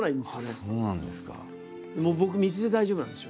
そうなんですか。